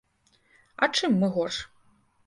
А чым мы горш?